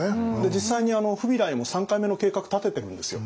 実際にフビライも３回目の計画立ててるんですよ。